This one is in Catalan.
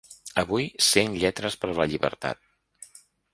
Avui, cent lletres per la llibertat.